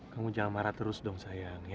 kamu jangan marah terus dong sayang